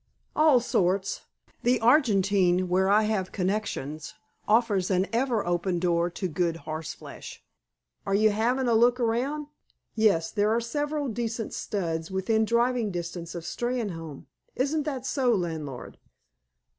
"All sorts. The Argentine, where I have connections, offers an ever open door to good horseflesh." "Are you having a look round?" "Yes. There are several decent studs within driving distance of Steynholme. Isn't that so, landlord?"